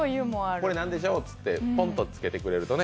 これ何でしょうってポンとつけてくれるとね。